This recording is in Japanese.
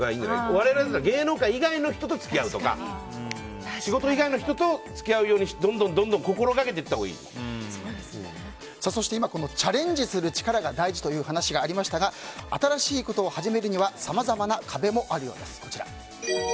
我々だったら芸能界以外の人と付き合うとか仕事以外の人とどんどん付き合うようにそして今、チャレンジする力が大事という話がありましたが新しいことを始めるにはさまざまな壁もあるようです。